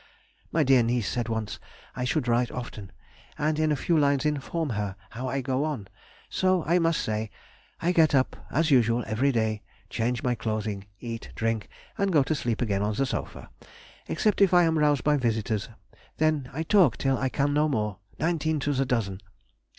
My dear niece said once, I should write often, and in few lines inform her how I go on, so I must say—I get up as usual every day, change my clothing, eat, drink, and go to sleep again on the sofa, except I am roused by visitors; then I talk till I can no more—nineteen to the dozen!